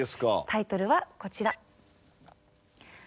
タイトルはこちら。